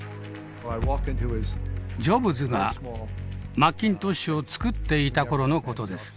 ジョブズがマッキントッシュを作っていた頃の事です。